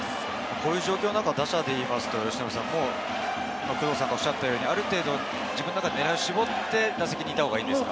こういう中、打者で言いますと工藤さんがおっしゃったように、ある程度、自分の中で狙いを絞って打席にいた方がいいんですか？